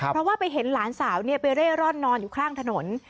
เพราะว่าไปเห็นหลานสาวไปเร่ร่อนนอนอยู่ข้างถนน